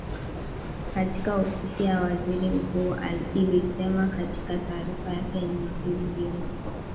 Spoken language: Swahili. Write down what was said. katika Ofisi ya Waziri Mkuu ilisema katika taarifa yake Jumapili jioni